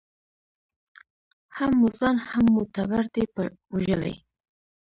هم مو ځان هم مو ټبر دی په وژلی